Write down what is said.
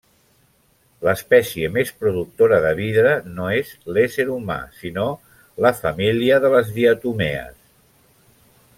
L'espècie més productora de vidre no és l'ésser humà, sinó la família de les diatomees.